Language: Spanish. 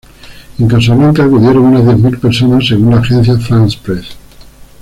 En Casablanca acudieron unas diez mil personas según la agencia France Presse.